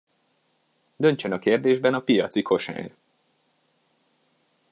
Döntsön a kérdésben a piaci kosár!